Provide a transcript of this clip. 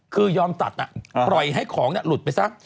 คือยอมตัดปล่อยให้ของหลุดไปซะ